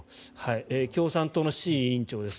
共産党の志位委員長です。